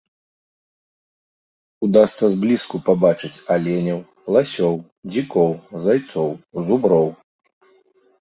Удасца зблізку пабачыць аленяў, ласёў, дзікоў, зайцоў, зуброў.